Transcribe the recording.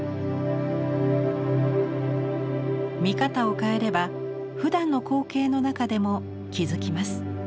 見方を変えればふだんの光景の中でも気付きます。